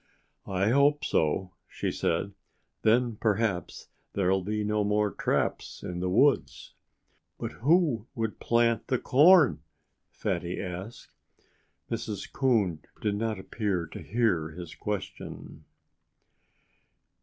"I hope so," she said. "Then perhaps there'll be no more traps in the woods." "But who would plant the corn?" Fatty asked. Mrs. Coon did not appear to hear his question.